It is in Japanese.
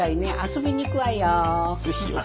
遊びに行くわよ。